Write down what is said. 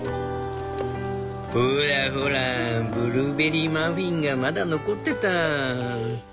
「ほらほらブルーベリーマフィンがまだ残ってた」。